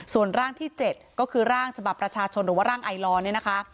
ส่วนร่างที่๗ก็คือร่างฉบับประชาชนหรือว่าร่างไอลอร์เนี่ยนะคะ